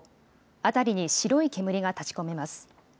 辺りに白い煙が立ち込めます。